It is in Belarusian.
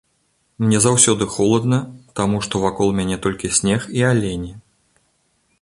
Мне заўсёды холадна, таму што вакол мяне толькі снег і алені.